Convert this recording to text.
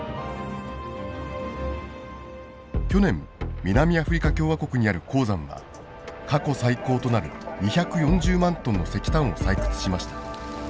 去年南アフリカ共和国にある鉱山は過去最高となる２４０万トンの石炭を採掘しました。